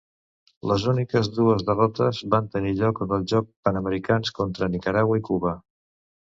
Les úniques dues derrotes van tenir lloc als Jocs Panamericans, contra Nicaragua i Cuba.